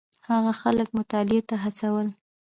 هغه خلک مطالعې ته هڅول.